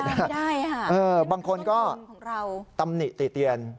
ได้ค่ะบางคนก็ตำหนิติเตียน